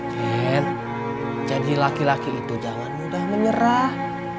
mungkin jadi laki laki itu jangan mudah menyerah